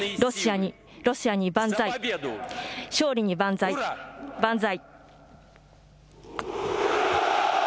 ロシアに万歳、勝利に万歳、万歳。